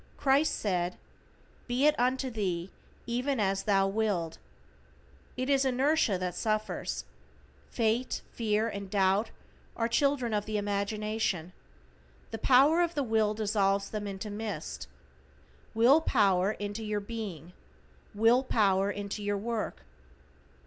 Christ said: "Be it unto thee even as thou WILLED." It is inertia that suffers. Fate, Fear and Doubt are children of the imagination. The power of the will dissolves them into mist. Will power into your Being. Will power into your work.